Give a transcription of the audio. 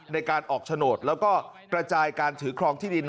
ในการออกโฉนดแล้วก็กระจายการถือครองที่ดิน